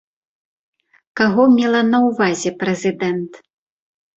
Каго мела на ўвазе прэзідэнт?